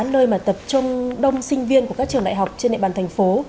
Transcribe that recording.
nơi mà tập trung đông sinh viên của các trường đại học trên địa bàn thành phố